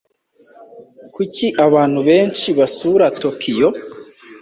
Kuki abantu benshi basura Kyoto?